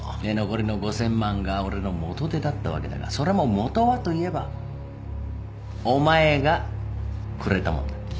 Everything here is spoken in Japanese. で残りの５，０００万が俺の元手だったわけだがそれも元はといえばお前がくれたもんだ。